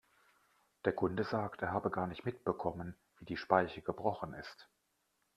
Der Kunde sagt, er habe gar nicht mitbekommen, wie die Speiche gebrochen ist.